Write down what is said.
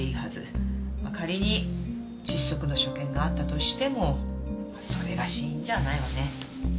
仮に窒息の所見があったとしてもそれが死因じゃないわね。